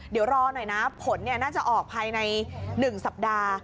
เดี๋ยวรอหน่อยนะผลน่าจะออกภายใน๑สัปดาห์